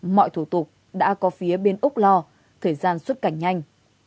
mọi thủ tục đã có phía bên úc lo thời gian xuất cảnh nhanh